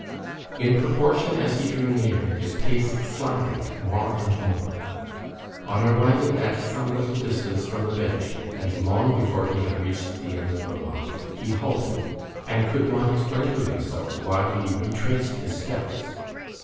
In proportion as he drew near, his pace slackened more and more. On arriving at some little distance from the bench, and long before he had reached the end of the walk, he halted, and could not explain to himself why he retraced his steps.